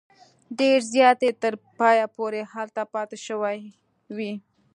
ډېر زیات یې تر پایه پورې هلته پاته شوي وي.